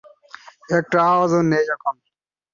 একটা আওয়াজও নেই এখন।